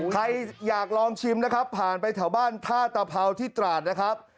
ใครอยากลองชิมนะครับผ่านไปแถวบ้านท่าตะเภาที่ตราดนะครับ